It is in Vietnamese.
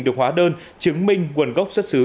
được hóa đơn chứng minh nguồn gốc xuất xứ